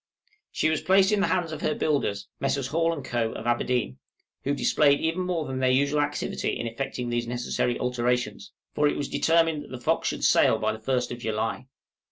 She was placed in the hands of her builders, Messrs. Hall & Co., of Aberdeen, who displayed even more than their usual activity in effecting these necessary alterations, for it was determined that the 'Fox' should sail by the 1st July. {FITTINGS OF THE 'FOX.'